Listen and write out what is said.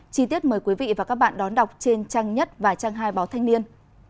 chi tiết mời quý vị và các bạn đón đọc trên trang nhất và trang hai báo thanh niên